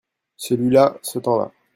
Celui-là, ce temps-là.